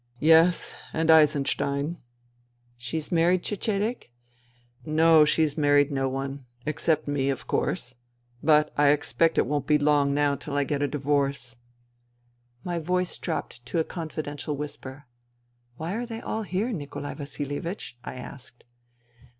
" Yes, and Eisenstein." " She has married Cecedek ?"" No, she has married no one — except me, of course. But I expect it won't be very long now till I get a divorce," INTERVENING IN SIBERIA 115 My voice dropped to a confidential whisper. " Why are they all here, Nikolai Vasilievich ?" I asked.